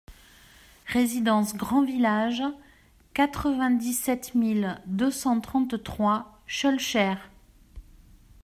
Résidence Grand Village, quatre-vingt-dix-sept mille deux cent trente-trois Schœlcher